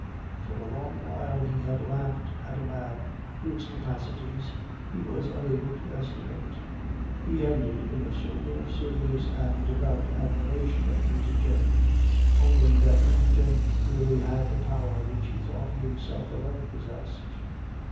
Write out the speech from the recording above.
For a long while he had laughed at a man whose capacities he was unable to estimate; he ended in a sober, serious, and devout admiration of Nucingen, owning that Nucingen really had the power which he thought he himself alone possessed.